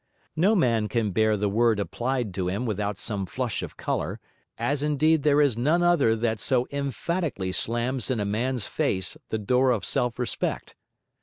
No man can bear the word applied to him without some flush of colour, as indeed there is none other that so emphatically slams in a man's face the door of self respect.